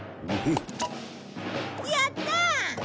やったー！